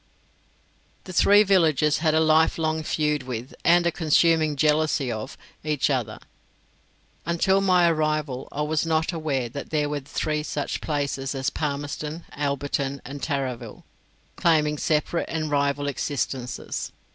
The three villages had a life long feud with, and a consuming jealousy of, each other. Until my arrival I was not aware that there were three such places as Palmerston, Alberton, and Tarraville, claiming separate and rival existences.